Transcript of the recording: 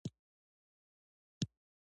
باغونه هوا تازه کوي